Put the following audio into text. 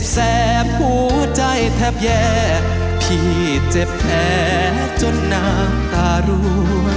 แสบหูใจแทบแย่พี่เจ็บแพ้จนหนังตาร่วน